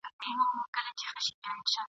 هر قدم مي لکه سیوری لېونتوب را سره مل دی ..